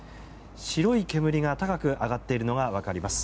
白い煙が高く上がっているのが分かります。